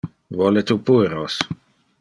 Vole tu pueros?